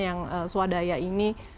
yang swadaya ini